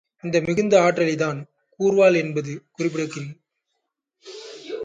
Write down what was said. இந்த மிகுந்த ஆற்றலைத்தான் கூர்வாள் என்பது குறிப்பிடுகிறது.